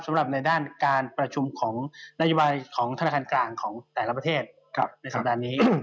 สำหรับในด้านการประชุมของนโยบายของธนาคารกลางของแต่ละประเทศในสัปดาห์นี้